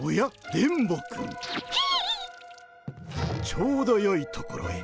ちょうどよいところへ。